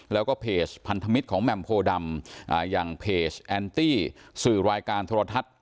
แล้วก็เพจพันธมิตรของแหม่มโพดำอย่างเพจแอนตี้สื่อรายการโทรทัศน์